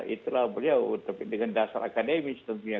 itulah beliau tapi dengan dasar akademis tentunya